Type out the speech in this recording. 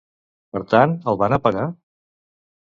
Per tant, el van apagar?